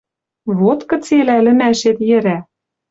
Вот кыцелӓ ӹлӹмӓшет йӹрӓ!..